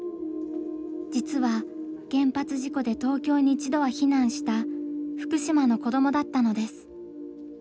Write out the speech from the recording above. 実は原発事故で東京に一度は避難した「福島の子ども」だったのです。